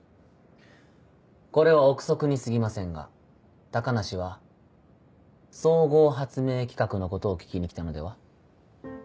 これは臆測に過ぎませんが高梨は総合発明企画のことを聞きに来たのでは？